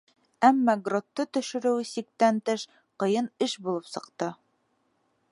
Әммә гротты төшөрөүе сиктән тыш ҡыйын эш булып сыҡты.